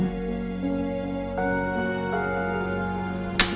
dia inget semua kesukaan kamu